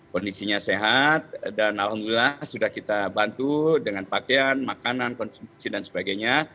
kondisinya sehat dan alhamdulillah sudah kita bantu dengan pakaian makanan konsumsi dan sebagainya